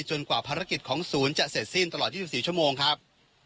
กว่าภารกิจของศูนย์จะเสร็จสิ้นตลอด๒๔ชั่วโมงครับ